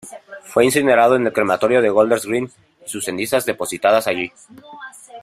Fue incinerado en el Crematorio de Golders Green y sus cenizas depositadas allí.